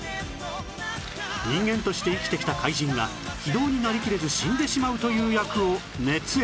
人間として生きてきた怪人が非道になりきれず死んでしまうという役を熱演